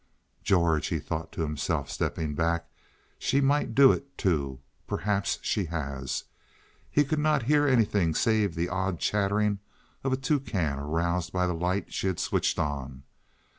"George!" he thought to himself, stepping back; "she might do it, too—perhaps she has." He could not hear anything save the odd chattering of a toucan aroused by the light she had switched on.